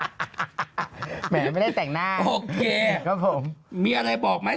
ุ่มแหวนมันไม่ได้แต่งหน้าโอเคเสร็จนะครับผมว่ามีอะไรบอกไหม